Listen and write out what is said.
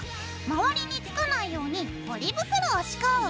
周りにつかないようにポリ袋を敷こう。